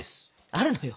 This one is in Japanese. あるのよ。